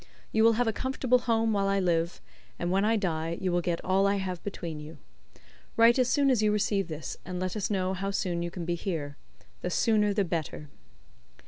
You will have a comfortable home while I live, and when I die you will get all I have between you. Write as soon as you receive this, and let us know how soon you can be here, the sooner the better."